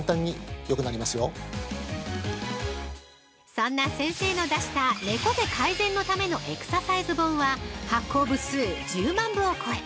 ◆そんな先生の出した猫背改善ためのエクササイズ本は発行部数１０万部を超え